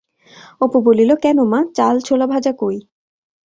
অপু বলিল, কেন মা, চাল-ছোলা ভাজা কই?